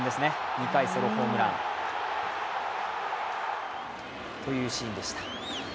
２回、ソロホームランというシーンでした。